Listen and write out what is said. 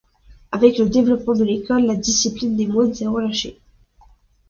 Avec le développement de l'école, la discipline des moines s'est relâchée.